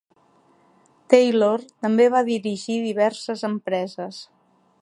Taylor també va dirigir diverses empreses.